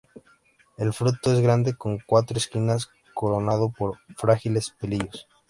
El fruto es grande con cuatro esquinas, coronado por frágiles pelillos.